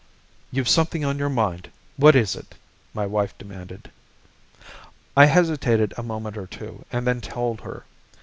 "You've something on your mind! What is it?" my wife demanded. I hesitated a moment or two and then told her.